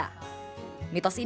mitos ini pun tidak bisa dikira